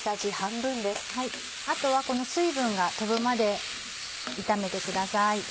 あとはこの水分が飛ぶまで炒めてください。